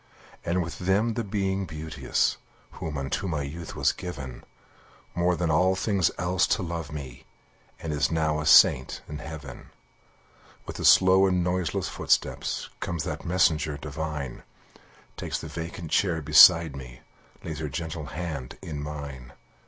And with them the Being Beauteous, Who unto my youth was given, More than all things else to love me, And is now a saint in heaven. With a slow and noiseless footstep Comes that messenger divine, Takes the vacant chair beside me, Lays her gentle hand in mine.